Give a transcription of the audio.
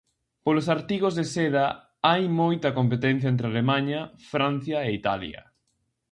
Polos artigos de seda hai moita competencia entre Alemaña, Francia e Italia.